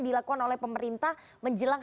dilakukan oleh pemerintah menjelang